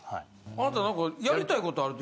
あなたなんかやりたいことあるって。